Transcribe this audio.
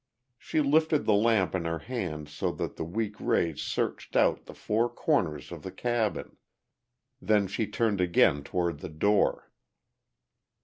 She lifted the lamp in her hand so that the weak rays searched out the four corners of the cabin. Then she turned again toward the door.